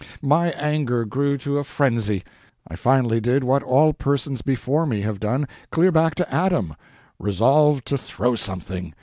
My anger grew to a frenzy. I finally did what all persons before me have done, clear back to Adam, resolved to throw something.